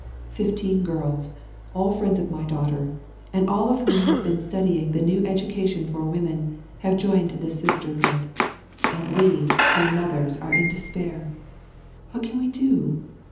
Fifteen girls, all friends of my daughter, and all of whom have been studying the new education for women, have joined this sisterhood; and we, their mothers, are in despair. What can we do?